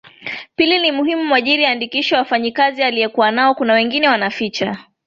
pili ni muhimu mwajiri aandikishe wanafanya kazi aliyekuwa nao kuna wengine wanaficha